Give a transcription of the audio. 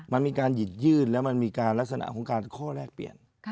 มันมีการหยิบยื่นแล้วมันมีการลักษณะของการข้อแรกเปลี่ยน